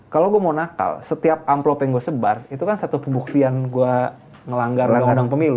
kalau gue mau nakal setiap amplop yang gue sebar itu kan satu pembuktian gue melanggar undang undang pemilu